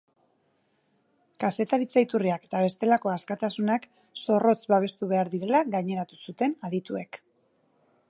Kazetaritza iturriak eta bestelako askatasunak zorrotz babestu behar direla gaineratu zuten adituek.